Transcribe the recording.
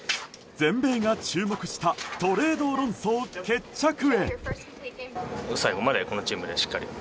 全米が注目したトレード論争決着へ。